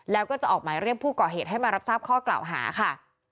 แล้วก็จะออกหมายเรียกผู้ก่อเหตุให้มารับทราบข้อกล่าวหาค่ะ